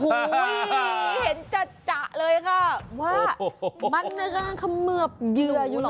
โอ้โหเห็นจัดจัะเลยค่ะว่ามันนะคะขมือบเหยื่ออยู่หล่อ